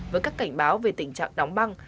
với các cảnh báo về tình trạng đóng băng